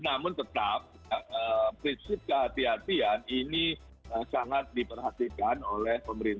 namun tetap prinsip kehatian ini sangat diperhatikan oleh pemerintah